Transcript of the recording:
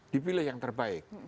dipilih yang terbaik